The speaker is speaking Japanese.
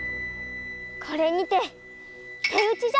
これにて手打ちじゃ！